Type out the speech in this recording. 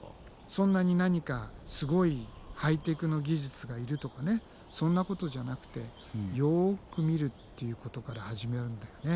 そんなに何かすごいハイテクの技術がいるとかねそんなことじゃなくてよく見るっていうことから始めるんだよね。